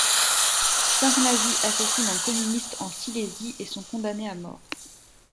Cinq nazis assassinent un communiste en Silésie et sont condamnés à mort.